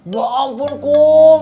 ya ampun kum